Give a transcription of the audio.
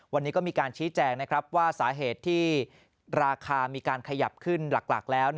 วันนี้ก็มีการชี้แจงนะครับว่าสาเหตุที่ราคามีการขยับขึ้นหลักแล้ว